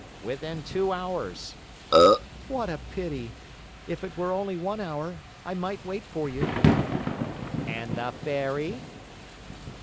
"Within two hours." "What a pity! If it were only one hour, I might wait for you." "And the Fairy?"